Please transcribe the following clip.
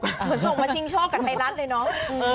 เหมือนส่งมาชิงช่องกับไทรัศน์เลยน้อง